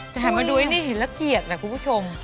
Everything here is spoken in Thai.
แต่แน่นมาดูไอ้นี่หินและเกียจไหมคุณผู้ชม